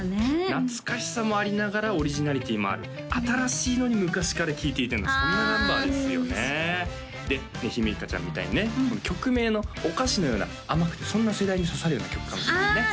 懐かしさもありながらオリジナリティーもある新しいのに昔から聴いていたようなそんなナンバーですよねで姫華ちゃんみたいにね曲名のお菓子のような甘くてそんな世代に刺さるような曲かもしれないですねああ